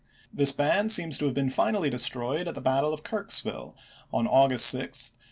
This band seems to have been finally de ch. xviil stroyed at the battle of Earksville, on August 6, 1862.